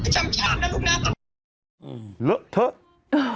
ไปจำชาตินะลูกน้า